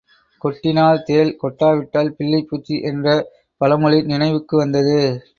கொட்டினால் தேள், கொட்டாவிட்டால் பிள்ளைப்பூச்சி என்ற பழ மொழி நினைவுக்கு வந்தது.